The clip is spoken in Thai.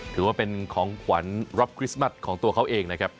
ถือว่าเป็นของขวัญรับคริสต์มัสของตัวเขาเองนะครับ